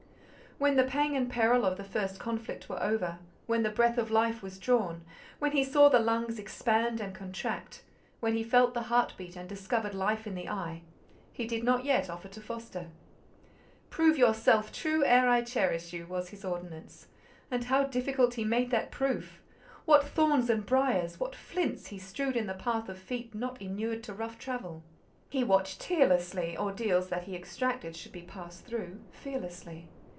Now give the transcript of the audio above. When the pang and peril of the first conflict were over, when the breath of life was drawn, when he saw the lungs expand and contract, when he felt the heart beat and discovered life in the eye, he did not yet offer to foster. "Prove yourself true ere I cherish you," was his ordinance; and how difficult he made that proof! What thorns and briers, what flints, he strewed in the path of feet not inured to rough travel! He watched tearlessly—ordeals that he exacted should be passed through—fearlessly.